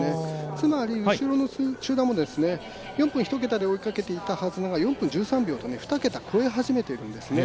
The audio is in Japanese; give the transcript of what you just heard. つまり後ろの集団も４分一桁で追いかけていたはずが４分１３秒と、２桁を超え始めているんですね。